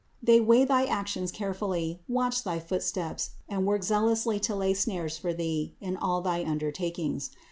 They weigh thy actions carefully, watch thy footsteps, and work zealously to lay snares for thee in all thy undertakings.